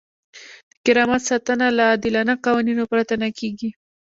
د کرامت ساتنه له عادلانه قوانینو پرته نه کیږي.